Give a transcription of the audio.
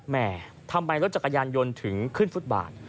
แม่ทำไมรถจักรยานยนต์ถึงขึ้นฟุตบาท